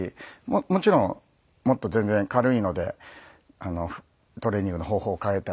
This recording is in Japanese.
もちろんもっと全然軽いのでトレーニングの方法を変えたり。